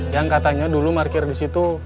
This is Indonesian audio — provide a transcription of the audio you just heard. yang katanya dulu markir di situ